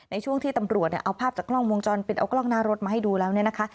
ในช่วงที่ตำรวจเอาภาพจากกล้องวงจรปิดเอากล้องหน้ารถมาให้ดูแล้วเนี่ยนะคะ